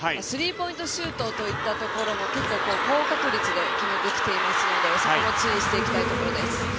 ポイントシュートといったところも結構、高確率で決めてきていますのでそこも注意していきたいところです。